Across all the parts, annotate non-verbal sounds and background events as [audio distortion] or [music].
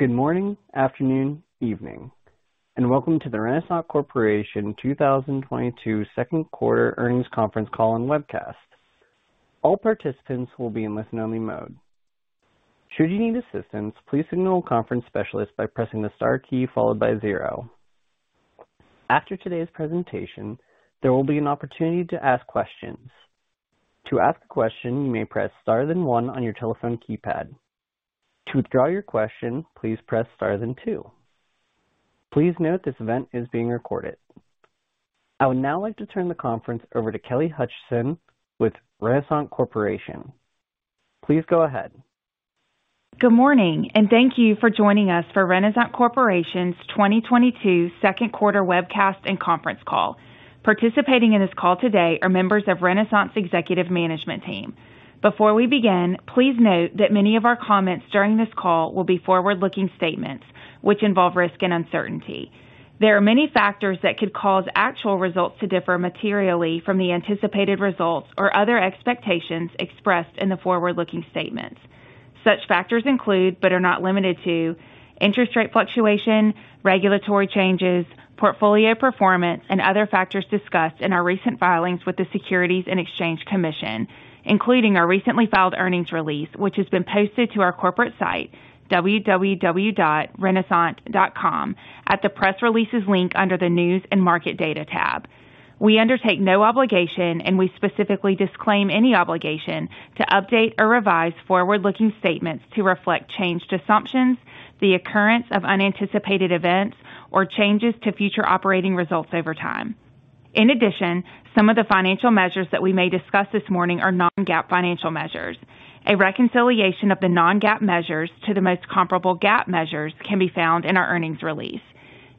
Good morning, afternoon, evening, and welcome to the Renasant Corporation 2022 second quarter earnings conference call and webcast. All participants will be in listen only mode. Should you need assistance, please signal a conference specialist by pressing the star key followed by zero. After today's presentation, there will be an opportunity to ask questions. To ask a question, you may press Star then one on your telephone keypad. To withdraw your question, please press Star then two. Please note this event is being recorded. I would now like to turn the conference over to Kelly Hutcheson with Renasant Corporation. Please go ahead. Good morning, and thank you for joining us for Renasant Corporation's 2022 second quarter webcast and conference call. Participating in this call today are members of Renasant's executive management team. Before we begin, please note that many of our comments during this call will be forward-looking statements, which involve risk and uncertainty. There are many factors that could cause actual results to differ materially from the anticipated results or other expectations expressed in the forward-looking statements. Such factors include, but are not limited to interest rate fluctuation, regulatory changes, portfolio performance, and other factors discussed in our recent filings with the Securities and Exchange Commission, including our recently filed earnings release, which has been posted to our corporate site, www.renasant.com, at the Press Releases link under the News and Market Data tab. We undertake no obligation, and we specifically disclaim any obligation to update or revise forward-looking statements to reflect changed assumptions, the occurrence of unanticipated events, or changes to future operating results over time. In addition, some of the financial measures that we may discuss this morning are non-GAAP financial measures. A reconciliation of the non-GAAP measures to the most comparable GAAP measures can be found in our earnings release.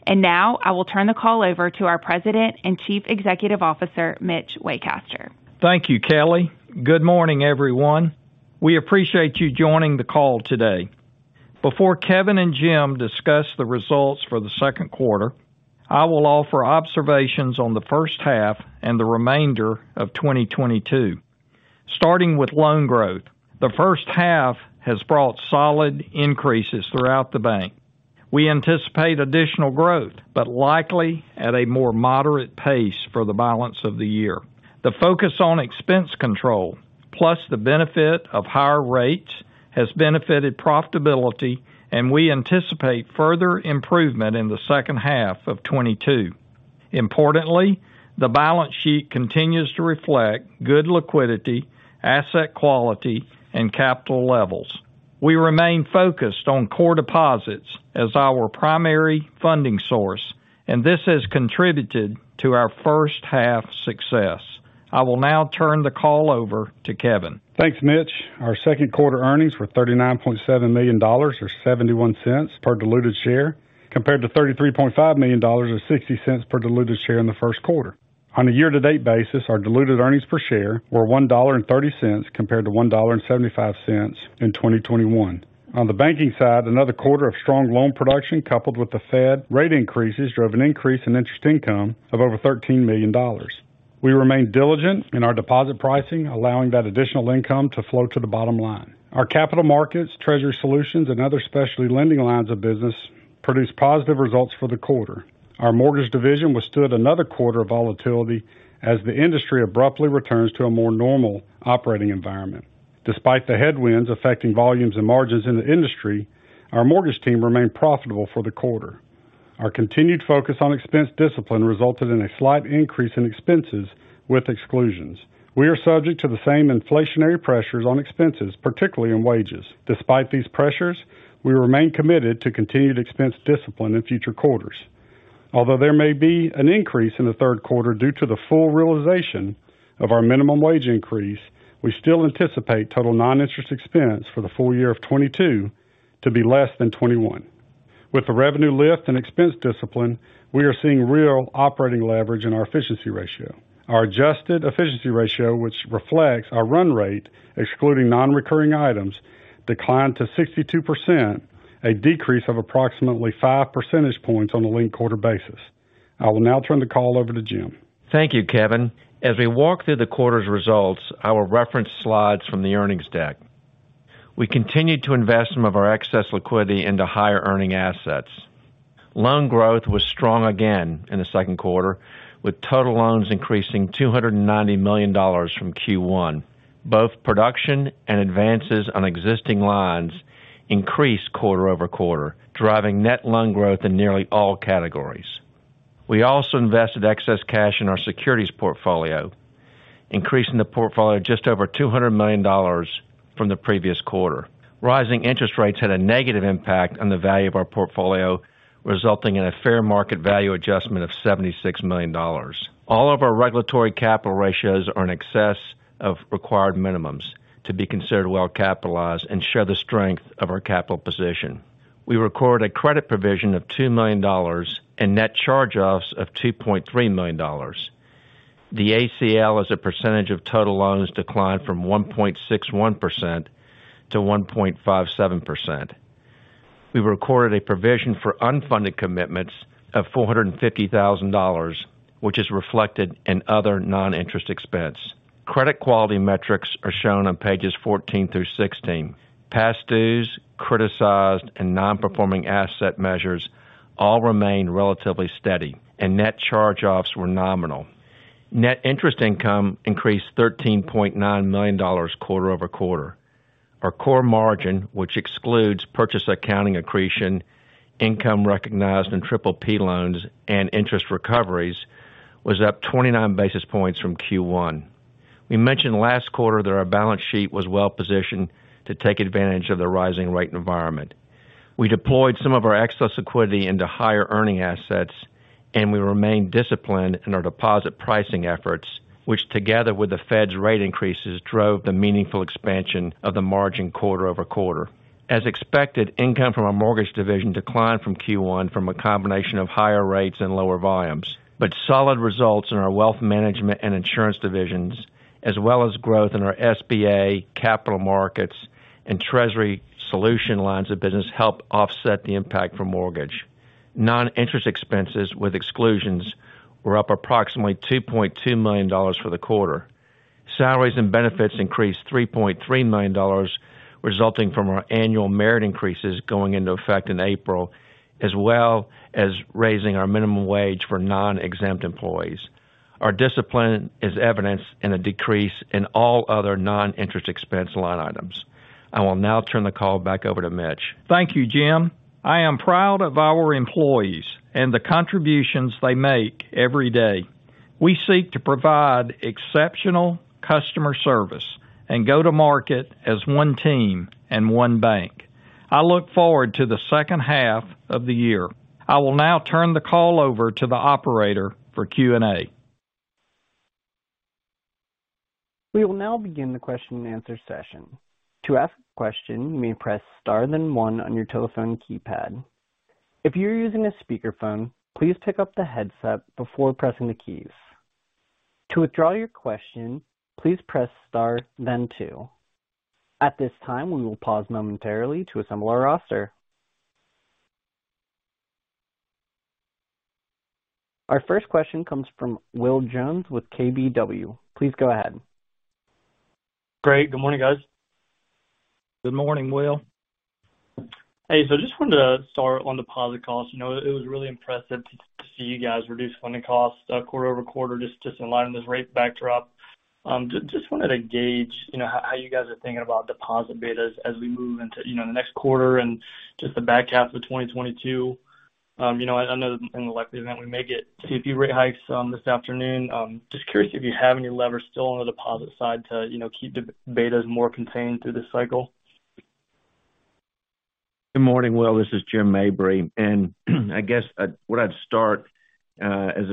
Now I will turn the call over to our President and Chief Executive Officer, Mitch Waycaster. Thank you, Kelly. Good morning, everyone. We appreciate you joining the call today. Before Kevin and Jim discuss the results for the second quarter, I will offer observations on the first half and the remainder of 2022. Starting with loan growth, the first half has brought solid increases throughout the bank. We anticipate additional growth, but likely at a more moderate pace for the balance of the year. The focus on expense control, plus the benefit of higher rates, has benefited profitability, and we anticipate further improvement in the second half of 2022. Importantly, the balance sheet continues to reflect good liquidity, asset quality, and capital levels. We remain focused on core deposits as our primary funding source, and this has contributed to our first half success. I will now turn the call over to Kevin. Thanks, Mitch. Our second quarter earnings were $39.7 million or $0.71 per diluted share, compared to $33.5 million or $0.60 per diluted share in the first quarter. On a year-to-date basis, our diluted earnings per share were $1.30 compared to $1.75 in 2021. On the banking side, another quarter of strong loan production coupled with the Fed rate increases drove an increase in interest income of over $13 million. We remain diligent in our deposit pricing, allowing that additional income to flow to the bottom line. Our capital markets, treasury solutions, and other specialty lending lines of business produced positive results for the quarter. Our mortgage division withstood another quarter of volatility as the industry abruptly returns to a more normal operating environment. Despite the headwinds affecting volumes and margins in the industry, our mortgage team remained profitable for the quarter. Our continued focus on expense discipline resulted in a slight increase in expenses with exclusions. We are subject to the same inflationary pressures on expenses, particularly in wages. Despite these pressures, we remain committed to continued expense discipline in future quarters. Although there may be an increase in the third quarter due to the full realization of our minimum wage increase, we still anticipate total non-interest expense for the full year of 2022 to be less than 2021. With the revenue lift and expense discipline, we are seeing real operating leverage in our efficiency ratio. Our adjusted efficiency ratio, which reflects our run rate excluding non-recurring items, declined to 62%, a decrease of approximately 5 percentage points on a linked quarter basis. I will now turn the call over to Jim. Thank you, Kevin. As we walk through the quarter's results, I will reference slides from the earnings deck. We continued to invest some of our excess liquidity into higher earning assets. Loan growth was strong again in the second quarter, with total loans increasing $290 million from Q1. Both production and advances on existing lines increased quarter-over-quarter, driving net loan growth in nearly all categories. We also invested excess cash in our securities portfolio, increasing the portfolio just over $200 million from the previous quarter. Rising interest rates had a negative impact on the value of our portfolio, resulting in a fair market value adjustment of $76 million. All of our regulatory capital ratios are in excess of required minimums to be considered well-capitalized and share the strength of our capital position. We recorded a credit provision of $2 million and net charge-offs of $2.3 million. The ACL as a percentage of total loans declined from 1.61% to 1.57%. We recorded a provision for unfunded commitments of $450,000, which is reflected in other non-interest expense. Credit quality metrics are shown on pages 14 through 16. Past dues, criticized, and non-performing asset measures all remain relatively steady, and net charge-offs were nominal. Net interest income increased $13.9 million quarter-over-quarter. Our core margin, which excludes purchase accounting accretion, income recognized in PPP loans, and interest recoveries, was up 29 basis points from Q1. We mentioned last quarter that our balance sheet was well positioned to take advantage of the rising rate environment. We deployed some of our excess liquidity into higher earning assets, and we remained disciplined in our deposit pricing efforts, which together with the Fed's rate increases, drove the meaningful expansion of the margin quarter-over-quarter. As expected, income from our mortgage division declined from Q1 from a combination of higher rates and lower volumes. Solid results in our wealth management and insurance divisions, as well as growth in our SBA capital markets and treasury solution lines of business, helped offset the impact from mortgage. Non-interest expenses with exclusions were up approximately $2.2 million for the quarter. Salaries and benefits increased $3.3 million, resulting from our annual merit increases going into effect in April, as well as raising our minimum wage for non-exempt employees. Our discipline is evidenced in a decrease in all other non-interest expense line items. I will now turn the call back over to Mitch. Thank you, Jim. I am proud of our employees and the contributions they make every day. We seek to provide exceptional customer service and go to market as one team and one bank. I look forward to the second half of the year. I will now turn the call over to the operator for Q&A. We will now begin the question-and-answer session. To ask a question, you may press star then one on your telephone keypad. If you're using a speakerphone, please pick up the headset before pressing the keys. To withdraw your question, please press star then two. At this time, we will pause momentarily to assemble our roster. Our first question comes from Will Jones with KBW. Please go ahead. Great. Good morning, guys. Good morning, Will. Hey, I just wanted to start on deposit costs. You know, it was really impressive to see you guys reduce funding costs quarter-over-quarter, just aligning this rate backdrop. Just wanted to gauge, you know, how you guys are thinking about deposit betas as we move into, you know, the next quarter and just the back half of 2022. You know, I know in the likely event we may get rate hikes this afternoon. Just curious if you have any levers still on the deposit side to, you know, keep the betas more contained through this cycle. Good morning, Will. This is Jim Mabry. I guess what I'd start with as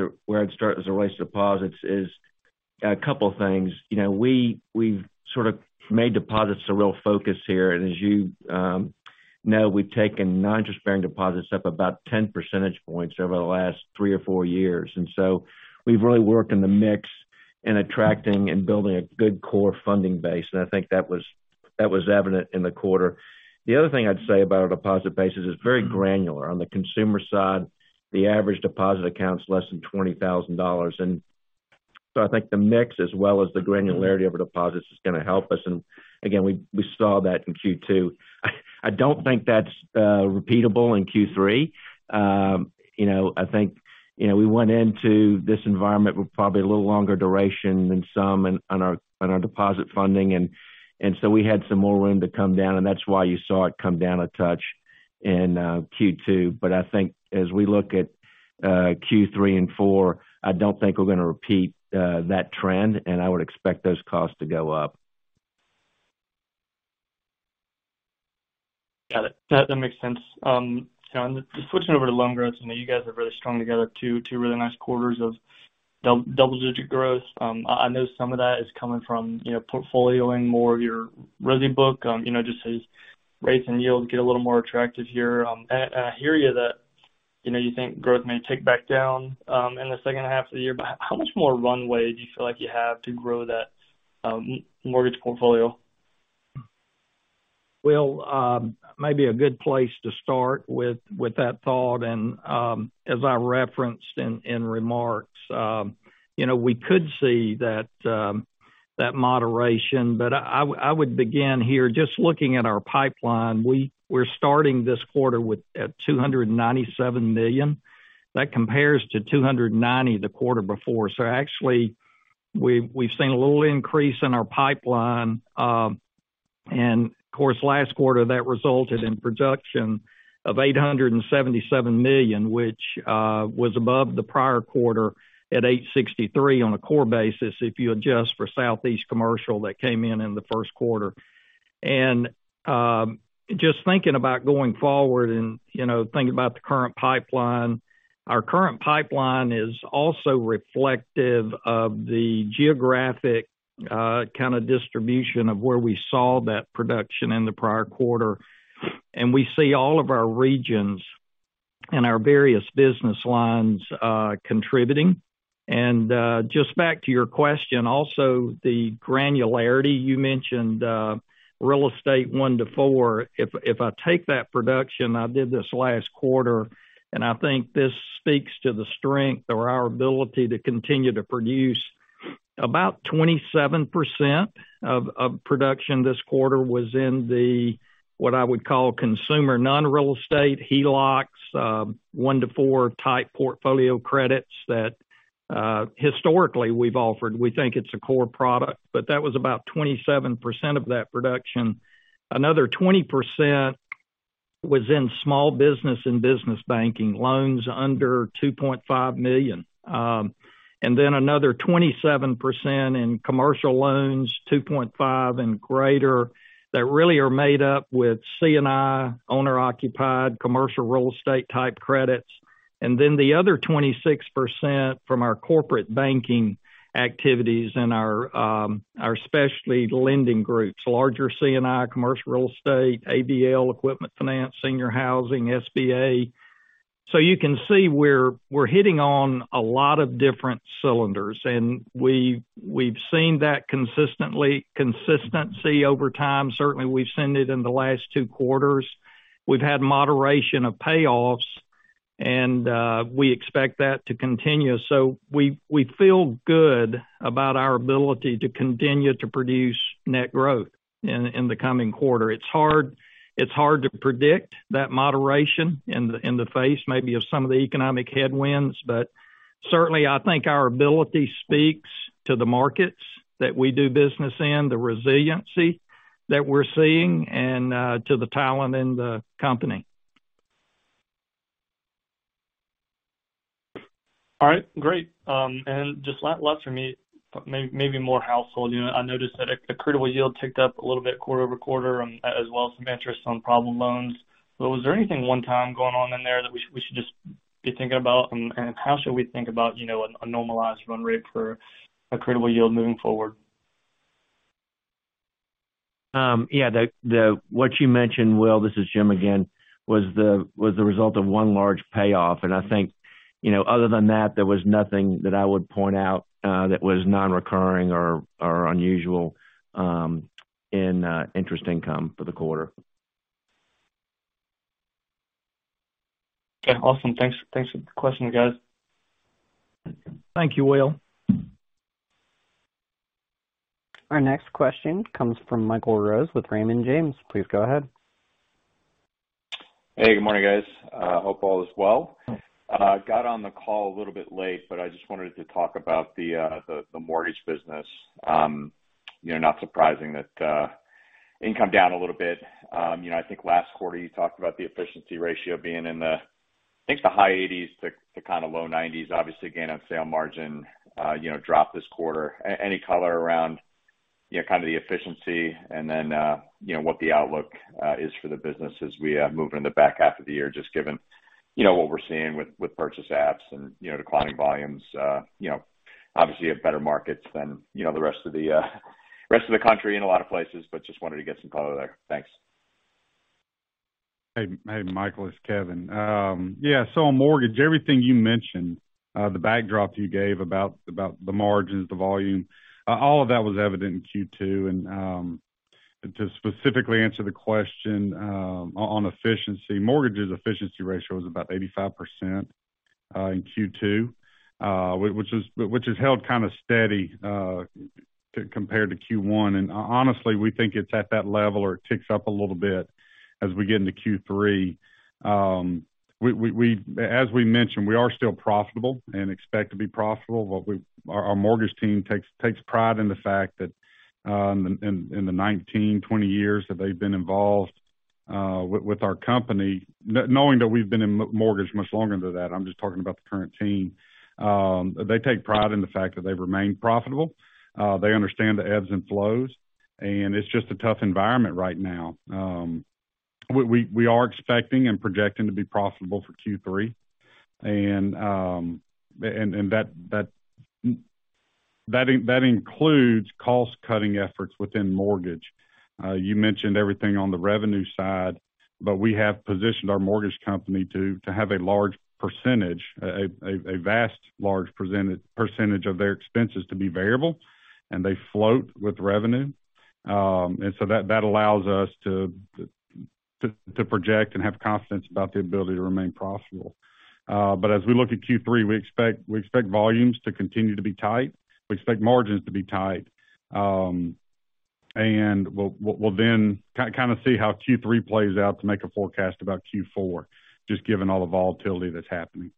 far as rates and deposits is a couple of things. You know, we've sort of made deposits a real focus here. As you know, we've taken non-interest-bearing deposits up about 10% over the last three or four years. We've really worked on the mix in attracting and building a good core funding base. I think that was evident in the quarter. The other thing I'd say about our deposit base is it's very granular. On the consumer side, the average deposit account's less than $20,000. I think the mix as well as the granularity of deposits is gonna help us. Again, we saw that in Q2. I don't think that's repeatable in Q3. You know, I think, you know, we went into this environment with probably a little longer duration than some on our deposit funding. So we had some more room to come down, and that's why you saw it come down a touch in Q2. I think as we look at Q3 and Q4, I don't think we're gonna repeat that trend, and I would expect those costs to go up. Got it. That makes sense. Switching over to loan growth. I know you guys have really strung together two really nice quarters of double-digit growth. I know some of that is coming from, you know, portfolioing more of your resi book, you know, just as rates and yields get a little more attractive here. I hear you that, you know, you think growth may tick back down in the second half of the year. How much more runway do you feel like you have to grow that mortgage portfolio? Will, maybe a good place to start with that thought and as I referenced in remarks, you know, we could see that moderation. I would begin here, just looking at our pipeline. We're starting this quarter with at $297 million. That compares to $290 million the quarter before. Actually, we've seen a little increase in our pipeline, and of course, last quarter, that resulted in production of $877 million, which was above the prior quarter at $863 million on a core basis, if you adjust for Southeast Commercial that came in the first quarter. Just thinking about going forward and, you know, thinking about the current pipeline, our current pipeline is also reflective of the geographic kind of distribution of where we saw that production in the prior quarter. We see all of our regions and our various business lines contributing. Just back to your question, also the granularity you mentioned, real estate one to four. If I take that production, I did this last quarter, and I think this speaks to the strength or our ability to continue to produce. About 27% of production this quarter was in the, what I would call consumer non-real estate HELOCs, one to four type portfolio credits that historically we've offered. We think it's a core product, but that was about 27% of that production. Another 20% was in small business and business banking loans under $2.5 million. Another 27% in commercial loans, $2.5 million and greater that really are made up with C&I, owner-occupied commercial real estate type credits. The other 26% from our corporate banking activities in our specialty lending groups, larger C&I, commercial real estate, ABL, equipment finance, senior housing, SBA. You can see we're hitting on a lot of different cylinders, and we've seen that consistently. Consistency over time. Certainly, we've seen it in the last two quarters. We've had moderation of payoffs, and we expect that to continue. We feel good about our ability to continue to produce net growth in the coming quarter. It's hard to predict that moderation in the face maybe of some of the economic headwinds. Certainly, I think our ability speaks to the markets that we do business in, the resiliency that we're seeing and to the talent in the company. All right, great. Just last for me, maybe more how should. You know, I noticed that accrual yield ticked up a little bit quarter-over-quarter, as well as some interest on problem loans. Was there anything one-time going on in there that we should just be thinking about? How should we think about, you know, a normalized run rate for accrual yield moving forward? Yeah, what you mentioned, Will, this is Jim again, was the result of one large payoff. I think, you know, other than that, there was nothing that I would point out, that was non-recurring or unusual, in interest income for the quarter. Okay, awesome. Thanks. Thanks for the question, guys. Thank you, Will. Our next question comes from Michael Rose with Raymond James. Please go ahead. Hey, good morning, guys. Hope all is well. Got on the call a little bit late, but I just wanted to talk about the mortgage business. You know, not surprising that income down a little bit. You know, I think last quarter you talked about the efficiency ratio being in the, I think, the high 80s to kind of low 90s. Obviously, gain on sale margin, you know, dropped this quarter. Any color around, you know, kind of the efficiency and then, you know, what the outlook is for the business as we move in the back half of the year, just given, you know, what we're seeing with purchase apps and, you know, declining volumes. You know, obviously, you have better markets than, you know, the rest of the country in a lot of places, but just wanted to get some color there. Thanks. Hey, Michael, it's Kevin. Yeah. On mortgage, everything you mentioned, the backdrop you gave about the margins, the volume, all of that was evident in Q2. To specifically answer the question, on efficiency, mortgage's efficiency ratio is about 85% in Q2, which has held kind of steady compared to Q1. Honestly, we think it's at that level or it ticks up a little bit as we get into Q3. As we mentioned, we are still profitable and expect to be profitable. Our mortgage team takes pride in the fact that, in the 19-20 years that they've been involved with our company, knowing that we've been in mortgage much longer than that, I'm just talking about the current team. They take pride in the fact that they've remained profitable. They understand the ebbs and flows, and it's just a tough environment right now. We are expecting and projecting to be profitable for Q3. That includes cost-cutting efforts within mortgage. You mentioned everything on the revenue side, but we have positioned our mortgage company to have a large percentage of their expenses to be variable, and they float with revenue. That allows us to project and have confidence about the ability to remain profitable. As we look at Q3, we expect volumes to continue to be tight. We expect margins to be tight. We'll then kind of see how Q3 plays out to make a forecast about Q4, just given all the volatility that's happening.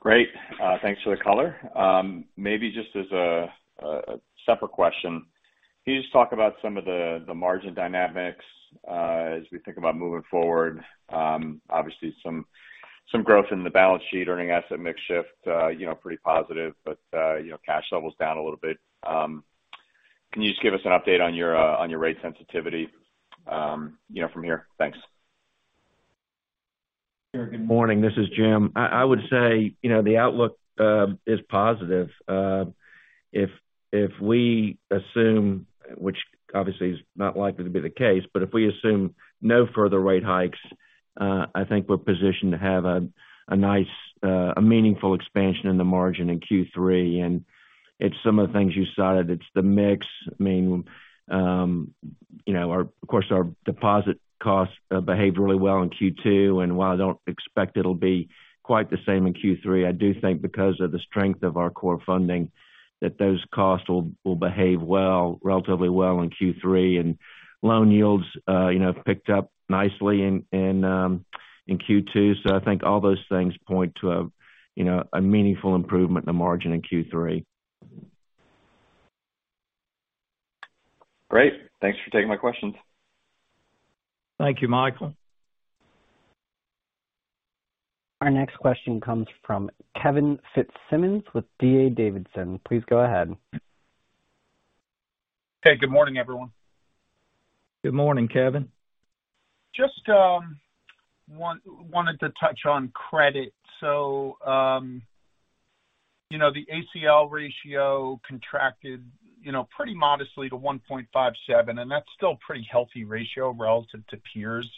Great. Thanks for the color. Maybe just as a separate question. Can you just talk about some of the margin dynamics as we think about moving forward? Obviously some growth in the balance sheet, earning asset mix shift, you know, pretty positive, but you know, cash levels down a little bit. Can you just give us an update on your rate sensitivity, you know, from here? Thanks. Sure. Good morning. This is Jim. I would say, you know, the outlook is positive. If we assume, which obviously is not likely to be the case, but if we assume no further rate hikes, I think we're positioned to have a nice, meaningful expansion in the margin in Q3. It's some of the things you cited. It's the mix. I mean, you know, our, of course, our deposit costs behaved really well in Q2, and while I don't expect it'll be quite the same in Q3, I do think because of the strength of our core funding that those costs will behave well, relatively well in Q3. Loan yields, you know, picked up nicely in Q2. I think all those things point to a, you know, a meaningful improvement in the margin in Q3. Great. Thanks for taking my questions. Thank you, Michael. Our next question comes from Kevin Fitzsimmons with D.A. Davidson. Please go ahead. Hey, good morning, everyone. Good morning, Kevin. Just wanted to touch on credit. You know, the ACL ratio contracted, you know, pretty modestly to 1.57, and that's still pretty healthy ratio relative to peers.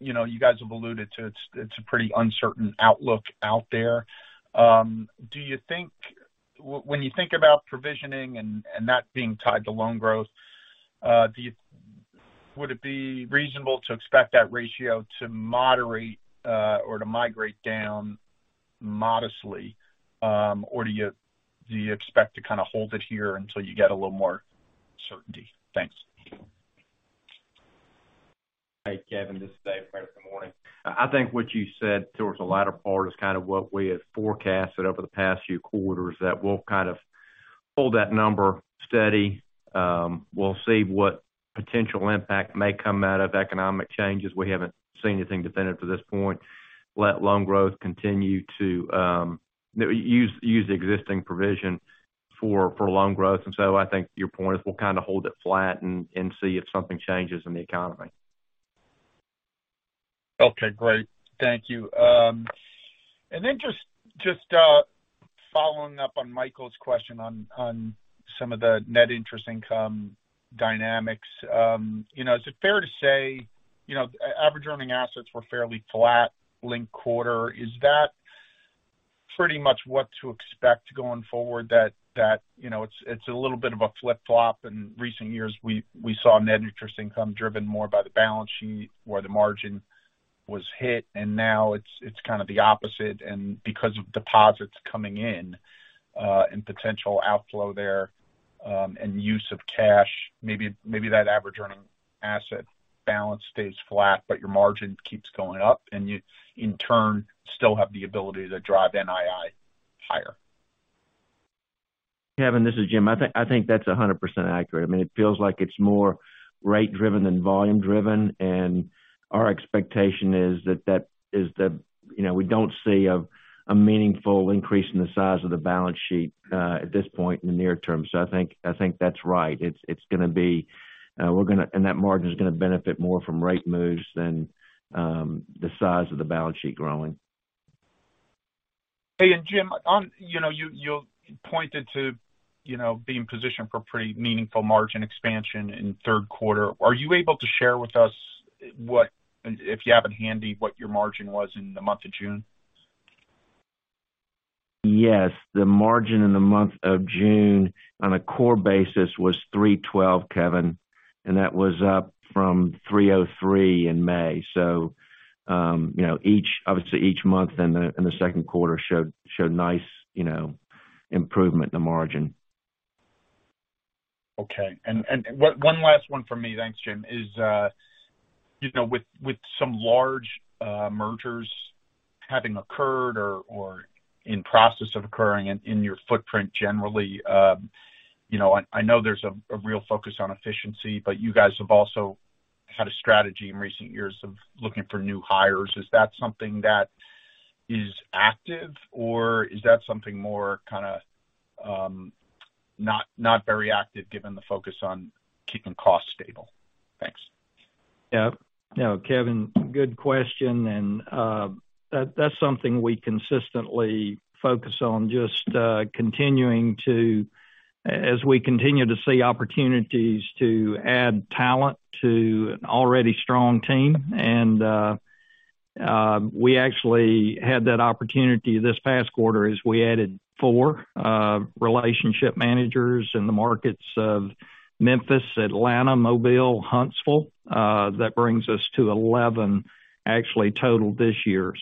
You know, you guys have alluded to it. It's a pretty uncertain outlook out there. When you think about provisioning and that being tied to loan growth, would it be reasonable to expect that ratio to moderate or to migrate down modestly? Or do you expect to kind of hold it here until you get a little more certainty? Thanks. Hey, Kevin, this is. [audio distortion] Good morning. I think what you said towards the latter part is kind of what we had forecasted over the past few quarters, that we'll kind of hold that number steady. We'll see what potential impact may come out of economic changes. We haven't seen anything definitive to this point. Let loan growth continue to use existing provision for loan growth. I think your point is we'll kind of hold it flat and see if something changes in the economy. Okay, great. Thank you. Then just following up on Michael's question on some of the net interest income dynamics. You know, is it fair to say, you know, average earning assets were fairly flat linked quarter. Is that pretty much what to expect going forward that you know, it's a little bit of a flip-flop? In recent years, we saw net interest income driven more by the balance sheet where the margin was hit, and now it's kind of the opposite. Because of deposits coming in, and potential outflow there, and use of cash, maybe that average earning asset balance stays flat, but your margin keeps going up, and you in turn still have the ability to drive NII higher. Kevin, this is Jim. I think that's 100% accurate. I mean, it feels like it's more rate driven than volume driven. Our expectation is that is the, you know, we don't see a meaningful increase in the size of the balance sheet at this point in the near term. I think that's right. It's gonna be, we're gonna and that margin is gonna benefit more from rate moves than the size of the balance sheet growing. Hey, Jim, you know, you pointed to, you know, being positioned for pretty meaningful margin expansion in third quarter. Are you able to share with us what, if you have it handy, your margin was in the month of June? Yes. The margin in the month of June on a core basis was 3.12%, Kevin, and that was up from 3.03% in May. You know, obviously each month in the second quarter showed nice, you know, improvement in the margin. Okay. One last one for me, thanks, Jim, is, you know, with some large mergers having occurred or in process of occurring in your footprint generally, you know, I know there's a real focus on efficiency, but you guys have also had a strategy in recent years of looking for new hires. Is that something that is active, or is that something more kind of not very active given the focus on keeping costs stable? Thanks. Yeah. No, Kevin, good question. That's something we consistently focus on, just as we continue to see opportunities to add talent to an already strong team. We actually had that opportunity this past quarter as we added four relationship managers in the markets of Memphis, Atlanta, Mobile, Huntsville. That brings us to 11 actually total this year.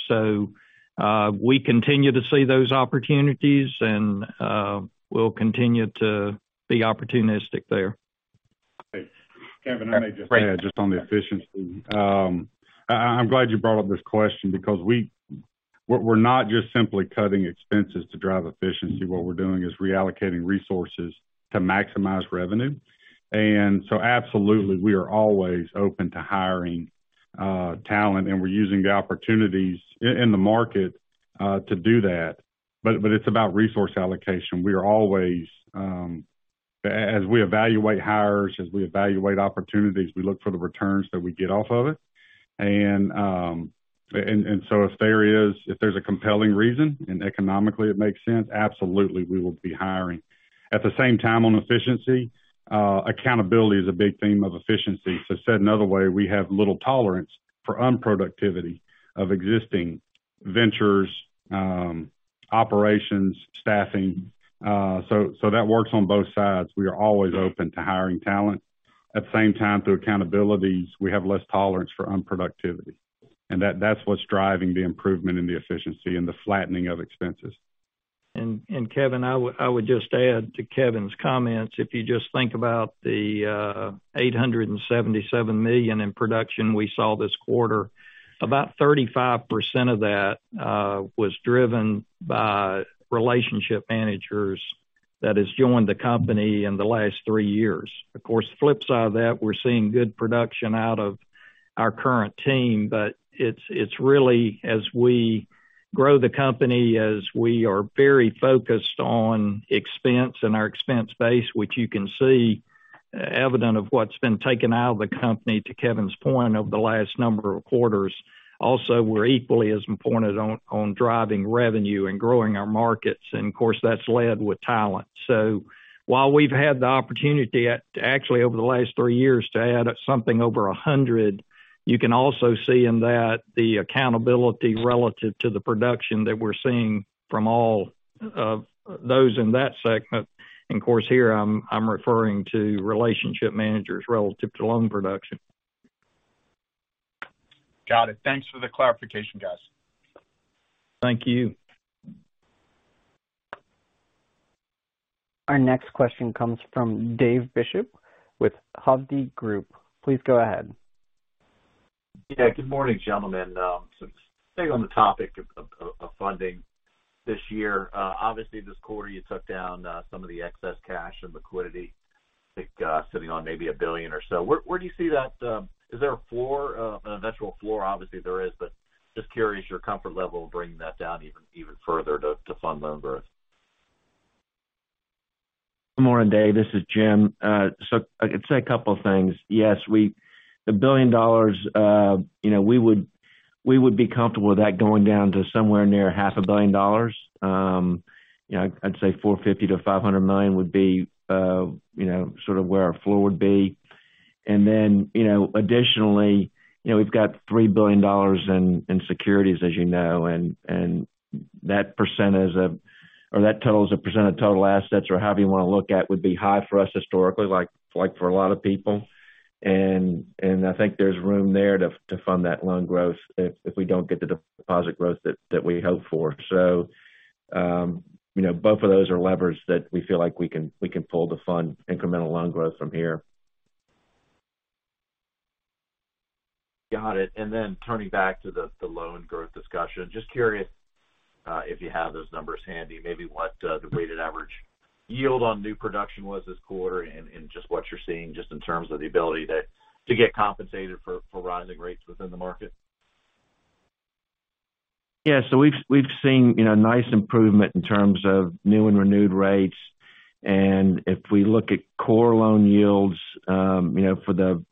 We continue to see those opportunities and we'll continue to be opportunistic there. Kevin, I may just add on the efficiency. I'm glad you brought up this question because we're not just simply cutting expenses to drive efficiency. What we're doing is reallocating resources to maximize revenue. Absolutely we are always open to hiring talent, and we're using the opportunities in the market to do that. But it's about resource allocation. We are always, as we evaluate hires, as we evaluate opportunities, we look for the returns that we get off of it. If there's a compelling reason and economically it makes sense, absolutely, we will be hiring. At the same time on efficiency, accountability is a big theme of efficiency. Said another way, we have little tolerance for unproductivity of existing ventures. Operations, staffing, so that works on both sides. We are always open to hiring talent. At the same time, through accountabilities, we have less tolerance for unproductivity. That's what's driving the improvement in the efficiency and the flattening of expenses. Kevin, I would just add to Kevin's comments. If you just think about the $877 million in production we saw this quarter, about 35% of that was driven by relationship managers that has joined the company in the last three years. Of course, the flip side of that, we're seeing good production out of our current team, but it's really as we grow the company, as we are very focused on expense and our expense base, which you can see evident of what's been taken out of the company, to Kevin's point, over the last number of quarters. Also, we're equally as important on driving revenue and growing our markets, and of course, that's led with talent. While we've had the opportunity, actually over the last three years to add up to something over 100, you can also see in that the accountability relative to the production that we're seeing from all of those in that segment. Of course here, I'm referring to relationship managers relative to loan production. Got it. Thanks for the clarification, guys. Thank you. Our next question comes from Dave Bishop with Hovde Group. Please go ahead. Yeah. Good morning, gentlemen. Staying on the topic of funding this year, obviously, this quarter you took down some of the excess cash and liquidity, I think, sitting on maybe $1 billion or so. Where do you see that? Is there a floor, an eventual floor? Obviously, there is, but just curious your comfort level bringing that down even further to fund loan growth. Good morning, Dave. This is Jim. I could say a couple of things. Yes, the $1 billion, you know, we would be comfortable with that going down to somewhere near half a billion dollars. You know, I'd say $450 million-$500 million would be, you know, sort of where our floor would be. Additionally, you know, we've got $3 billion in securities, as you know, and that percent is a or that total is a percent of total assets or however you wanna look at, would be high for us historically, like for a lot of people. I think there's room there to fund that loan growth if we don't get the deposit growth that we hope for. You know, both of those are levers that we feel like we can pull to fund incremental loan growth from here. Got it. Turning back to the loan growth discussion, just curious if you have those numbers handy, maybe what the weighted average yield on new production was this quarter and just what you're seeing just in terms of the ability to get compensated for rising rates within the market. Yeah. We've seen, you know, nice improvement in terms of new and renewed rates. If we look at core loan yields, you know, for the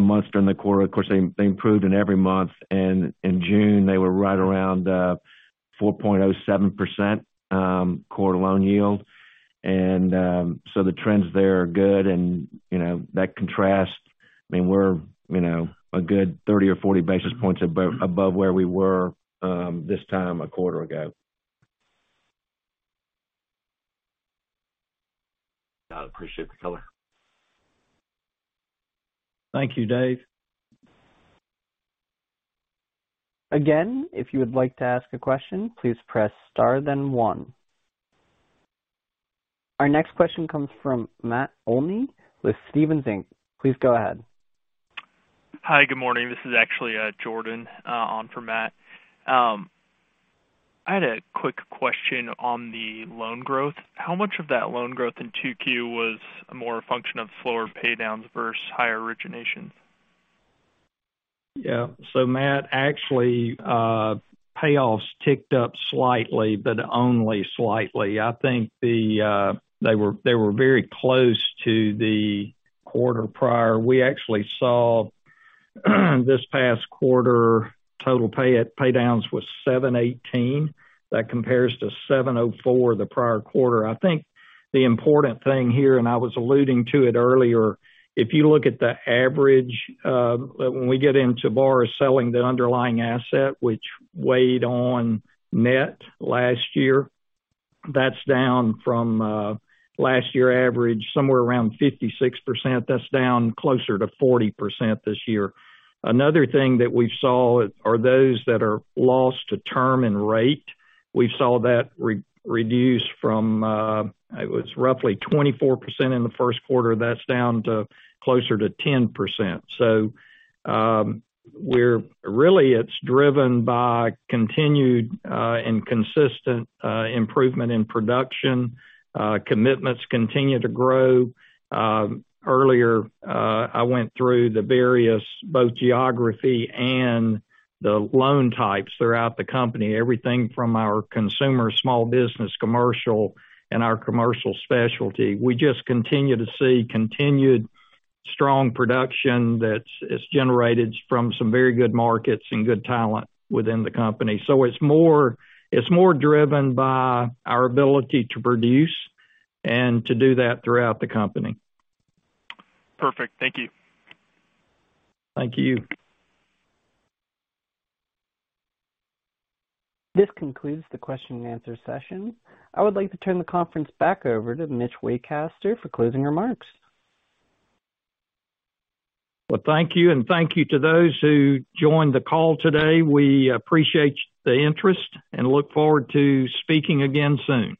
months during the quarter, of course, they improved in every month. In June, they were right around 4.07%, core loan yield. The trends there are good. You know, that contrasts, I mean, we're, you know, a good 30 or 40 basis points above where we were this time a quarter ago. Got it. Appreciate the color. Thank you, Dave. Again, if you would like to ask a question, please press star then one. Our next question comes from Matt Olney with Stephens Inc. Please go ahead. Hi. Good morning. This is actually, Jordan, on for Matt. I had a quick question on the loan growth. How much of that loan growth in 2Q was more a function of slower paydowns versus higher origination? Yeah. Matt, actually, payoffs ticked up slightly, but only slightly. I think they were very close to the quarter prior. We actually saw, this past quarter, total paydowns was 718. That compares to 704 the prior quarter. I think the important thing here, and I was alluding to it earlier, if you look at the average, when we get into borrowers selling the underlying asset, which weighed on net last year, that's down from last year average, somewhere around 56%. That's down closer to 40% this year. Another thing that we saw are those that are lost to term and rate. We saw that reduce from, it was roughly 24% in the first quarter. That's down to closer to 10%. Really, it's driven by continued and consistent improvement in production. Commitments continue to grow. Earlier, I went through the various, both geography and the loan types throughout the company, everything from our consumer, small business, commercial, and our commercial specialty. We just continue to see continued strong production that's generated from some very good markets and good talent within the company. It's more driven by our ability to produce and to do that throughout the company. Perfect. Thank you. Thank you. This concludes the question and answer session. I would like to turn the conference back over to Mitch Waycaster for closing remarks. Well, thank you, and thank you to those who joined the call today. We appreciate the interest and look forward to speaking again soon.